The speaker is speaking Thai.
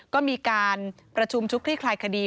ก็มีการประชุมชุดคลี่คลายคดี